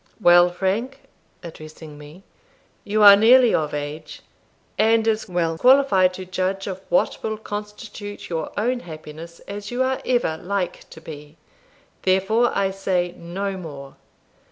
Well, Frank" (addressing me), "you are nearly of age, and as well qualified to judge of what will constitute your own happiness as you ever are like to be; therefore, I say no more.